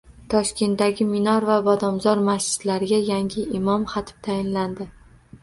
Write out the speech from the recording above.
Toshkentdagi Minor va Bodomzor masjidlariga yangi imom-xatib tayinlandi